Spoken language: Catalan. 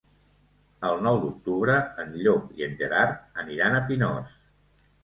El nou d'octubre en Llop i en Gerard aniran a Pinós.